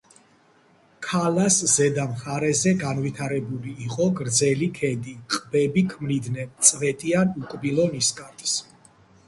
ქალას ზედა მხარეზე განვითარებული იყო გრძელი ქედი, ყბები ქმნიდნენ წვეტიან უკბილო ნისკარტს.